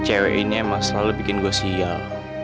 cewek ini emang selalu bikin gue sial